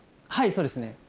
はいそうですね。